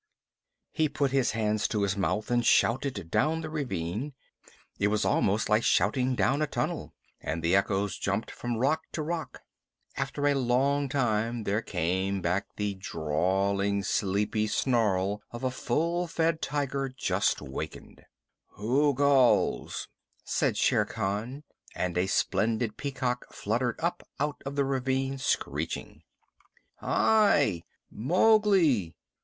He put his hands to his mouth and shouted down the ravine it was almost like shouting down a tunnel and the echoes jumped from rock to rock. After a long time there came back the drawling, sleepy snarl of a full fed tiger just wakened. "Who calls?" said Shere Khan, and a splendid peacock fluttered up out of the ravine screeching. "I, Mowgli.